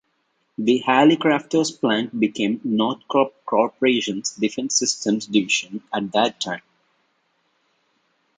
The Hallicrafters plant became Northrop Corporation's Defense Systems Division at that time.